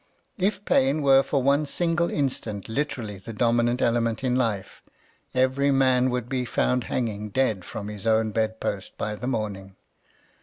If pain were for one single instant literally the dominant element in life, every man would be found hanging dead from his own bed post by the morning.